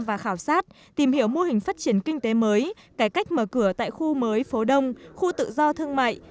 và khảo sát tìm hiểu mô hình phát triển kinh tế mới cải cách mở cửa tại khu mới phố đông khu tự do thương mại